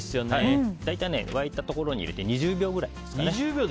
大体、沸いたところに入れて２０秒くらいですかね。